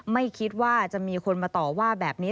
ไม่คิดว่าจะมีคนมาต่อว่าแบบนี้